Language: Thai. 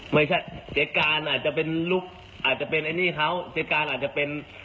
ไม่ใช่เสียการอาจจะเป็นลูกอาจจะเป็นไอ้นี่เขาเสียการอาจจะเป็น